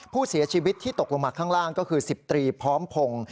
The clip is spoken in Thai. ผู้เสียชีวิตที่ตกลงมาข้างล่างก็คือ๑๐ตรีพร้อมพงศ์